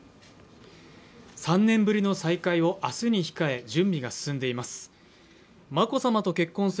３年ぶりの再会を明日に控え準備が進んでいます。